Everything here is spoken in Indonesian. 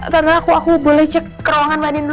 tante aku boleh cek ke ruangan mbak andien dulu